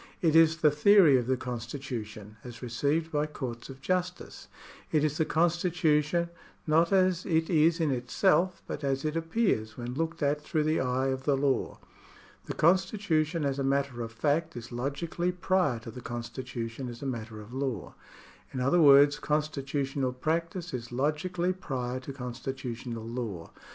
It is the theory of the constitu tion, as received by courts of justice. It is the constitution, not as it is in itself, but as it appears when looked at through the eye of the law. The constitution as a matter of fact is logically prior to the constitution as a matter of law. In other words constitu tional practice is logically prior to constitutional law.